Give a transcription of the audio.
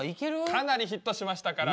かなりヒットしましたから。